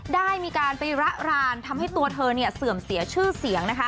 ได้มีการไประรานทำให้ตัวเธอเสื่อมเสียชื่อเสียงนะคะ